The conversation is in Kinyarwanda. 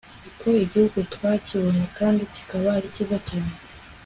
kuko igihugu twakibonye kandi kikaba ari cyiza cyane